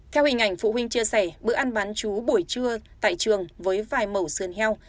theo hình ảnh phụ huynh chia sẻ bữa ăn bán chú buổi trưa tại trường với vài mẫu sườn heo